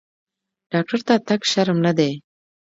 ډاکټر ته تګ شرم نه دی۔